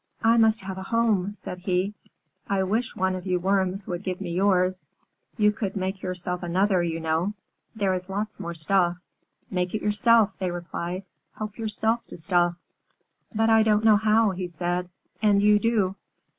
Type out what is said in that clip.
"I must have a home," said he. "I wish one of you Worms would give me yours. You could make yourself another, you know. There is lots more stuff." "Make it yourself," they replied. "Help yourself to stuff." "But I don't know how," he said, "and you do."